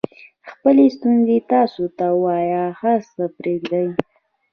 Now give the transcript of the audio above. خپلې ستونزې تاسو ته ووایي هر څه پرېږدئ.